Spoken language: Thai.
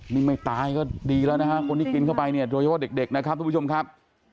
นี่ไม่ตายก็ดีแล้วนะฮะคนที่กินเข้าไปเนี่ยโดยเฉพาะเด็กนะครับทุกผู้ชมครับ